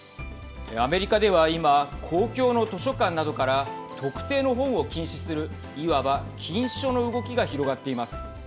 アメリカでは今公共の図書館などから特定の本を禁止するいわば禁書の動きが広がっています。